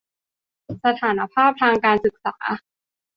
สถานภาพทางการศึกษา